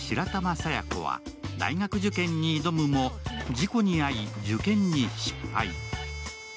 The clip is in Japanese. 佐弥子は、大学受験に挑むも、事故に遭い受験に失敗。